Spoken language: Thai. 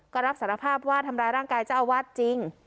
ก็รับสารภาพว่าทำร้ายร่างกายเจ้าอาวาสจริง